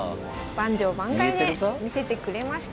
盤上盤外でみせてくれました。